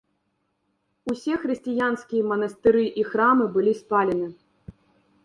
Усе хрысціянскія манастыры і храмы былі спалены.